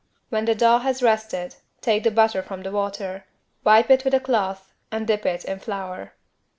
When the dough has rested take the butter from the water, wipe it with a cloth and dip it in flour.